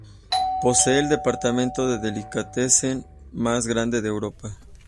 Posee el departamento de "delicatessen" más grande de Europa.